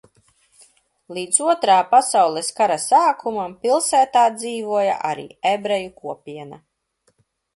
Līdz Otrā pasaules kara sākumam pilsētā dzīvoja arī ebreju kopiena.